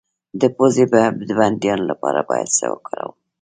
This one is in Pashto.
د پوزې د بندیدو لپاره باید څه وکاروم؟